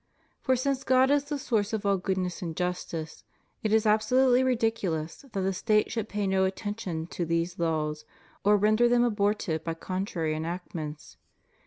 For since God is the source of all goodness and justice, it is absolutely ridiculous that the State should pay no attention to these laws or render them abortive by contrary enactments.